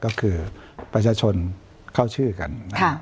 ก็คือประชาชนเข้าชื่อกัน